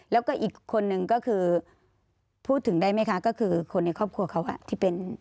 แล้วก็อีกคนนึงก็คือพูดถึงได้ไหมคะก็คือคนในครอบครัวเขาที่เป็น